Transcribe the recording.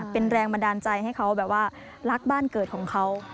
เป็นแรงบันดาลใจให้เขาแบบว่ารักบ้านเกิดของเขา